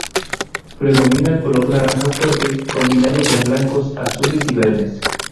Predomina el color naranja fuerte combinado con blancos, azules y verdes.